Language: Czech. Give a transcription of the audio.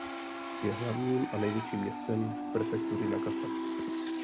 Je hlavním a největším městem prefektury Nagasaki.